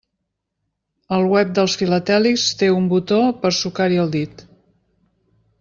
El web dels filatèlics té un botó per sucar-hi el dit.